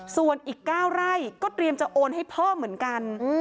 ส่วนอีก๙ไร่ก็เตรียมจะโอนให้พ่อเหมือนกัน